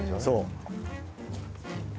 そう。